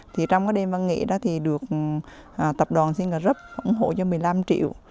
trong cái đêm văn nghệ đó thì được tập đoàn xin là rất ủng hộ cho một mươi năm triệu